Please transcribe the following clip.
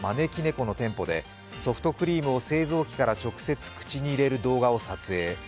この店舗でソフトクリームを製造機から直接、口に入れる動画を撮影。